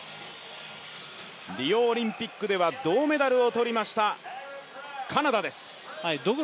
リオオリンピックでは銅メダルを取りました、カナダです。